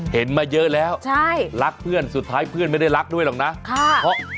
มาเยอะแล้วใช่รักเพื่อนสุดท้ายเพื่อนไม่ได้รักด้วยหรอกนะค่ะเพราะ